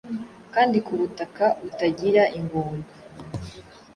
Kandi ku butaka butagira ingumba